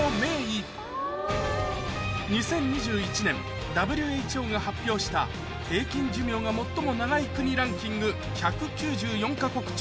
２０２１年ＷＨＯが発表した平均寿命が最も長い国ランキング１９４か国